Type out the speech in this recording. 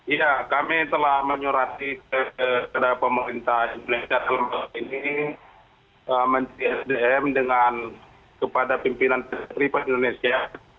iya kami telah menyuruhkan kepada pemerintah sdim dengan kepada pimpinan pribadi indonesia